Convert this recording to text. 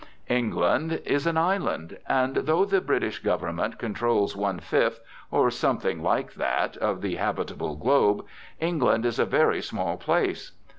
England is an island; and though the British government controls one fifth, or something like that, of the habitable globe, England is a very small place.